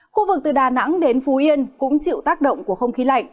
khu vực từ đà nẵng đến phú yên cũng chịu tác động của không khí lạnh